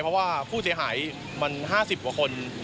เพราะว่าผู้เสียหายมัน๕๐กว่าคน